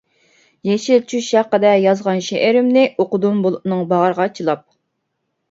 يېشىل چۈش ھەققىدە يازغان شېئىرىمنى، ئوقۇدۇم بۇلۇتنىڭ باغرىغا چىلاپ.